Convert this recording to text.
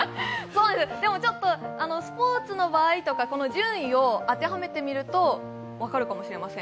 でもちょっとスポーツの場合とか順位を当てはめてみると分かるかもしれません。